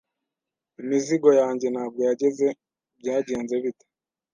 Imizigo yanjye ntabwo yageze. Byagenze bite?